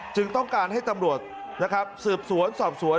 จึงต้องการให้ตำรวจสืบสวน